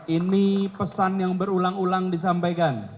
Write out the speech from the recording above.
ini pesan yang berulang ulang disampaikan